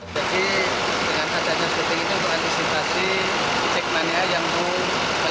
jadi dengan adanya sweeping ini untuk antisipasi cek mania yang mau melihat